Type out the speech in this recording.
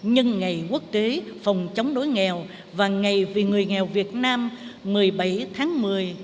nhân ngày quốc tế phòng chống đối nghèo và ngày vì người nghèo việt nam một mươi bảy tháng một mươi